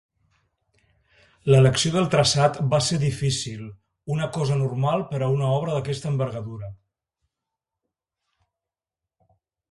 L'elecció del traçat va ser difícil, una cosa normal per a una obra d'aquesta envergadura.